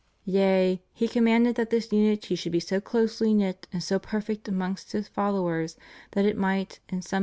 Yea, He commanded that this unity should be so closely knit and so perfect amongst His followers that it might, in some m.